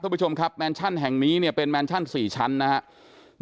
ผู้ชมครับแมนชั่นแห่งนี้เนี่ยเป็นแมนชั่น๔ชั้นนะครับ